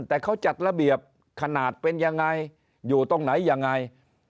แต่เขาจัดระเบียบขนาดเป็นยังไงอยู่ตรงไหนยังไง